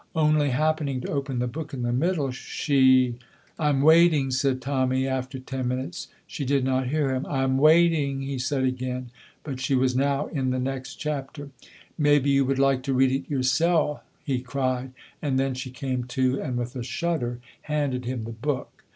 Only happening to open the book in the middle, she "I'm waiting," said Tommy, after ten minutes. She did not hear him. "I'm waiting," he said again, but she was now in the next chapter. "Maybe you would like to read it yoursel'!" he cried, and then she came to, and, with a shudder handed him the book.